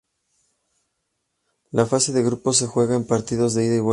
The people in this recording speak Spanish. La fase de grupos se juega a partidos de ida y vuelta.